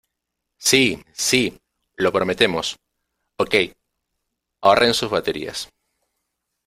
¡ Sí! ¡ sí !¡ lo prometemos !¡ ok ! ahorren sus baterías.